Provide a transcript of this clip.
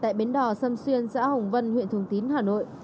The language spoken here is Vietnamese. tại bến đỏ sâm xuyên xã hồng vân huyện thường tín hà nội